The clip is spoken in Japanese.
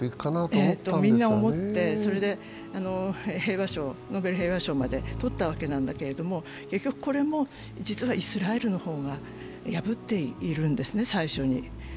ええ、みんな思ってノーベル平和賞までとったんですけれども、結局これも実はイスラエルの方が破っているんですね、最初に。